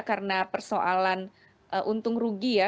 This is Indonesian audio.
karena persoalan untung rugi ya karena persoalan untung rugi ya